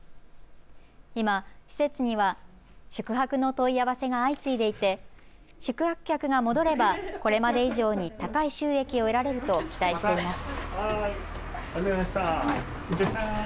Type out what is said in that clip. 今、施設には宿泊の問い合わせが相次いでいて宿泊客が戻ればこれまで以上に高い収益を得られると期待しています。